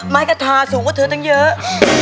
กระทาสูงกว่าเธอตั้งเยอะ